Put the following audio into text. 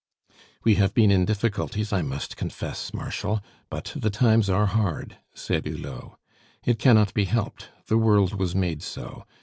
"We have been in difficulties, I must confess, Marshal; but the times are hard!" said Hulot. "It cannot be helped; the world was made so.